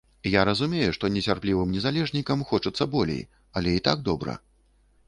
Я разумею, што нецярплівым незалежнікам хочацца болей, але і так добра.